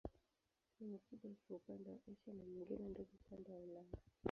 Sehemu kubwa iko upande wa Asia na nyingine ndogo upande wa Ulaya.